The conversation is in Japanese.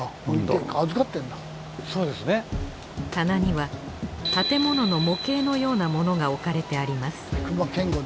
棚には建物の模型のような物が置かれてあります